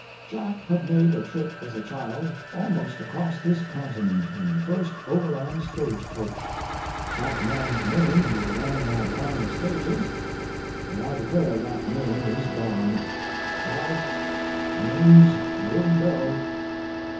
Jack had made a trip as a child almost across this continent in the first overland stage coach. That man's name who ran that line of stages—well, I declare that name is gone. Well, names will go.